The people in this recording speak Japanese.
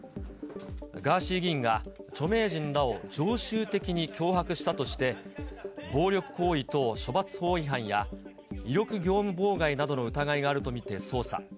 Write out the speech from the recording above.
ガーシー議員が著名人らを常習的に脅迫したとして、暴力行為等処罰法違反や、威力業務妨害などの疑いがあると見て捜査。